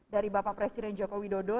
dari bapak presiden joko widodo